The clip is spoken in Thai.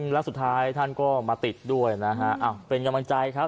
แล้วสุดท้ายท่านก็มาติดด้วยนะฮะเป็นกำลังใจครับ